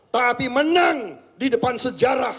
tapi menang di depan sejarah